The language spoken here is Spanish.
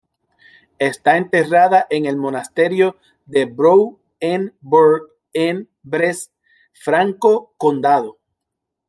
Está enterrada en el monasterio de Brou en Bourg-en-Bresse, Franco Condado.